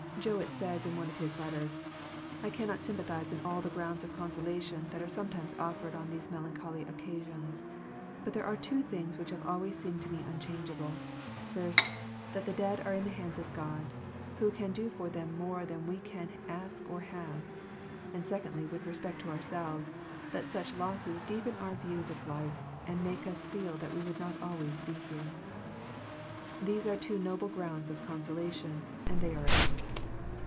Jowett says, in one of his letters, " I cannot sympathize in all the grounds of consolation that are sometimes offered on these melancholy occasions, but there are two things which have always seemed to me unchangeable: first, that the dead are in the hands of God, who can do for them more than we can ask or have; and secondly, with respect to ourselves, that such losses deepen our views of life, and make us feel that we would not always be here." These are two noble grounds of consolation, and they are enough.